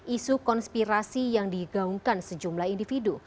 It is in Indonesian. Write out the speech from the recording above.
isu konspirasi yang digaungkan sejumlah individu